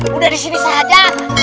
sudah di sini saja